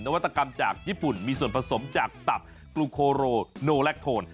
วัตกรรมจากญี่ปุ่นมีส่วนผสมจากตับกรุงโคโรโนแลคโทน